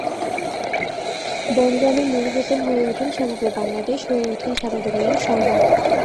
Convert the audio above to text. বনগ্রামের নূর হোসেন হয়ে ওঠেন সমগ্র বাংলাদেশ, হয়ে ওঠেন সারা দুনিয়ার সংবাদ।